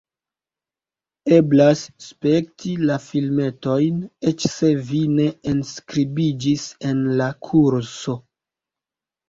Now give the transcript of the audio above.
Eblas spekti la filmetojn, eĉ se vi ne enskribiĝis en la kurso.